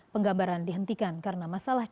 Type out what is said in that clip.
penggambaran dihentikan karena masalahnya